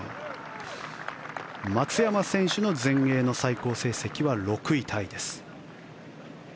松山選手の全英の最高成績は６位タイです。